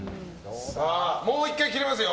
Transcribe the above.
もう１回切れますよ。